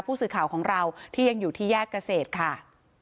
ผู้สื่อข่าวของเราที่ยังอยู่ที่แยกเกษตรค่ะ